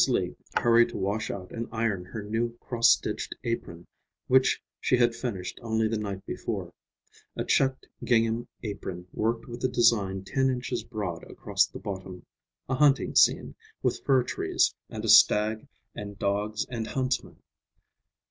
Lee hurried to wash out and iron her new cross stitched apron, which she had finished only the night before; a checked gingham apron worked with a design ten inches broad across the bottom; a hunting scene, with fir trees and a stag and dogs and huntsmen.